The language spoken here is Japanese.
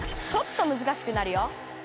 ちょっとむずかしくなるよ。